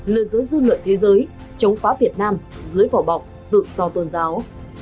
lừa dối dư luận thế giới chống phá việt nam dưới vỏ bọc tự do tôn giáo